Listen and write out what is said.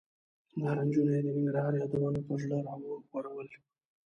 نارنجونو یې د ننګرهار یادونه پر زړه راورول.